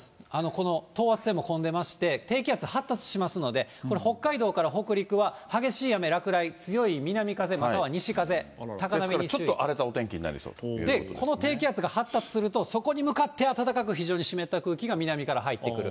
この等圧線も混んでまして、低気圧、発達しますので、これ、北海道から北陸は激しい雨、落雷、強い南ちょっと荒れたお天気になりで、この低気圧が発達すると、そこに向かって暖かく非常に湿った空気が南から入ってくる。